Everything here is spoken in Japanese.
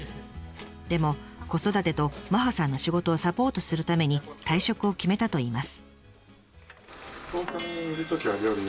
でも子育てと麻葉さんの仕事をサポートするために退職を決めたといいます。